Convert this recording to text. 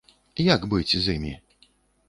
Як быць з імі?